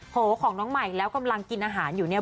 โหของน้องใหม่แล้วกำลังกินอาหารอยู่เนี่ย